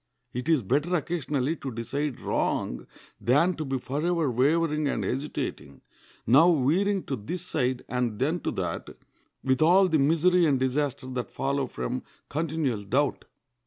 It is better occasionally to decide wrong than to be forever wavering and hesitating, now veering to this side and then to that, with all the misery and disaster that follow from continual doubt.